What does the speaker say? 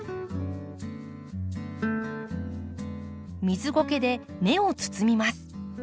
水ごけで根を包みます。